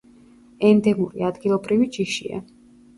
ენდემური, ადგილობრივი ჯიშია.